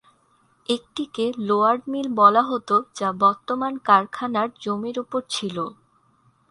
একটিকে lower mill বলা হতো যা বর্তমান কারখানার জমির উপর ছিল।